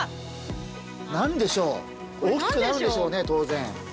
何でしょう、大きくなるんでしょうね、当然。